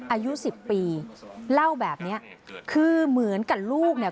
อายุสิบปีเล่าแบบเนี้ยคือเหมือนกับลูกเนี่ย